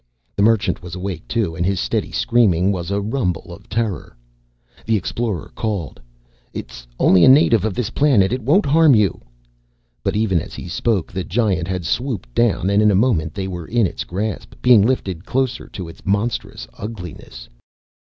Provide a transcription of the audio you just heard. The Merchant was awake too and his steady screaming was a rumble of terror. The Explorer called, "It's only a native of this planet. It won't harm you." But even as he spoke, the giant had swooped down and in a moment they were in its grasp being lifted closer to its monstrous ugliness.